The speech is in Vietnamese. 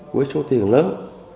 với số tiền lớn